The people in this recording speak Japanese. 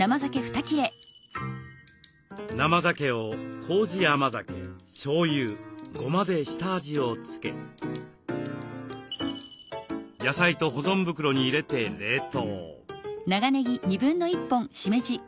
生ざけをこうじ甘酒しょうゆごまで下味をつけ野菜と保存袋に入れて冷凍。